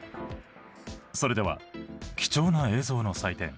それでは貴重な映像の祭典